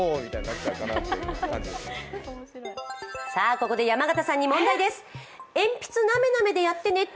ここで山形さんに問題です。